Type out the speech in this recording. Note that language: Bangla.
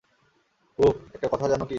উহ, একটা কথা জানো কি?